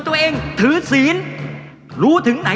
แบบนี้ก็ได้